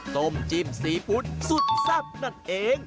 ต้มจิ้มสีพุดสุดทรัพย์นั่นเอง